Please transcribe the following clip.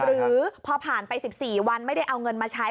หรือพอผ่านไป๑๔วันไม่ได้เอาเงินมาใช้